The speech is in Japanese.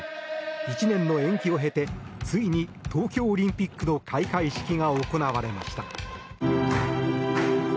１年の延期を経てついに東京オリンピックの開会式が行われました。